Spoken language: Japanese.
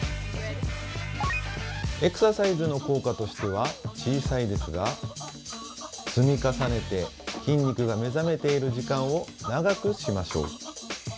エクササイズの効果としては小さいですが積み重ねて筋肉が目覚めている時間を長くしましょう。